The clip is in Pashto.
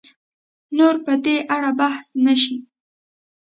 نور په دې اړه بحث نه شي